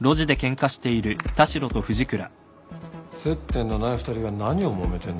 接点のない２人が何をもめてんだろうねえ。